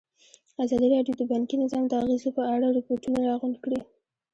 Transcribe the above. ازادي راډیو د بانکي نظام د اغېزو په اړه ریپوټونه راغونډ کړي.